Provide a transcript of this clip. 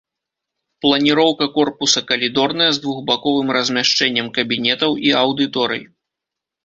Планіроўка корпуса калідорная з двухбаковым размяшчэннем кабінетаў і аўдыторый.